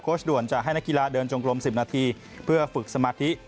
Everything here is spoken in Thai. ด่วนจะให้นักกีฬาเดินจงกลม๑๐นาทีเพื่อฝึกสมาธิ